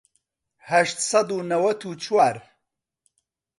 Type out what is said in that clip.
هەشت سەد و نەوەت و چوار